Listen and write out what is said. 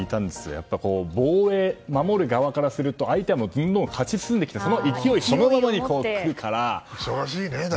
やっぱり防衛、守る側からすると相手は勝ち進んできてその勢いそのままに来るから。